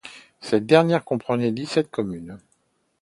Cette dernière comprenait dix-sept communes.